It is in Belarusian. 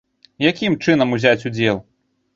Якім чынам узяць удзел?